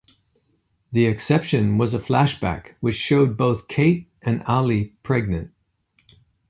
The exception was a flashback which showed both Kate and Allie pregnant.